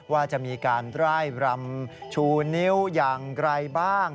ว่าจะมีการร่ายรำชูนิ้วอย่างไรบ้าง